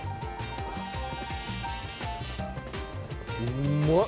うまっ！